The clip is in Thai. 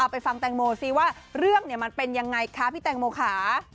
ไปฟังแตงโมซิว่าเรื่องมันเป็นยังไงคะพี่แตงโมค่ะ